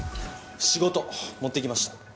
仕事持ってきました。